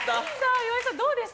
岩井さん、どうでした？